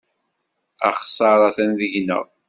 Axeṣṣar atan deg-neɣ.